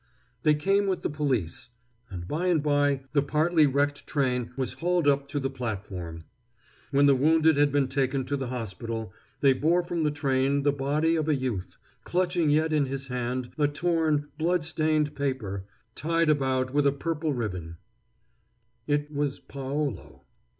They came with the police, and by and by the partly wrecked train was hauled up to the platform. When the wounded had been taken to the hospital, they bore from the train the body of a youth, clutching yet in his hand a torn, blood stained paper, tied about with a purple ribbon. It was Paolo.